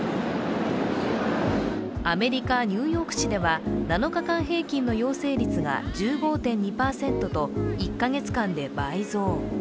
アメリカ・ニューヨーク市では７日平均の陽性率が１５．２％と１カ月間で倍増。